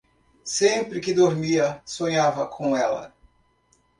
Sempre que dormia, sonhava com ela